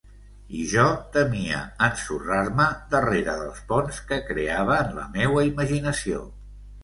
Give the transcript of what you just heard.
I jo temia ensorrar-me darrere dels ponts que creava en la meua imaginació.